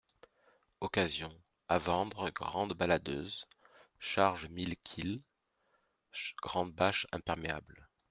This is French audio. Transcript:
Occasion, à vendre grande balladeuse, charge mille kil., grande bâche imperméable.